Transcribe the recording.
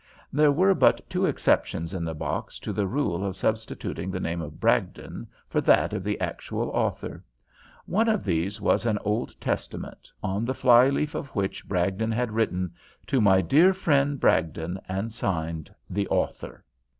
There were but two exceptions in the box to the rule of substituting the name of Bragdon for that of the actual author; one of these was an Old Testament, on the fly leaf of which Bragdon had written, "To my dear friend Bragdon," and signed "The Author."